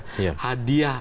hakim yang menerima hadiah